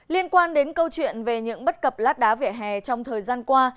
liên quan đến câu chuyện về những bất cập lát đá vỉa hè trong thời gian qua